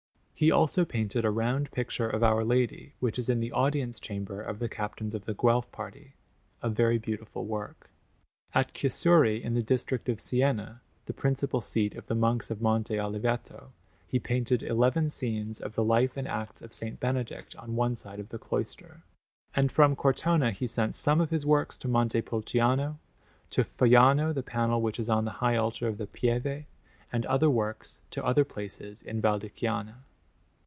He also painted a round picture of Our Lady, which is in the Audience Chamber of the Captains of the Guelph party a very beautiful work. At Chiusuri in the district of Siena, the principal seat of the Monks of Monte Oliveto, he painted eleven scenes of the life and acts of S. Benedict on one side of the cloister. And from Cortona he sent some of his works to Montepulciano; to Foiano the panel which is on the high altar of the Pieve; and other works to other places in Valdichiana.